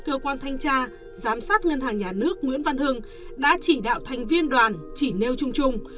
cơ quan thanh tra giám sát ngân hàng nhà nước nguyễn văn hưng đã chỉ đạo thành viên đoàn chỉ nêu chung chung